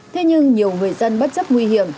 thế nhưng nhiều người dân bất chấp nguy hiểm